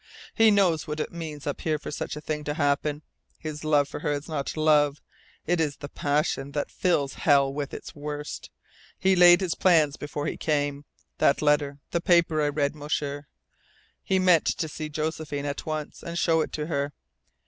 He knows what it means up here for such a thing to happen. His love for her is not love. It is the passion that fills hell with its worst. He laid his plans before he came. That letter, the paper I read, M'sieur! He meant to see Josephine at once, and show it to her.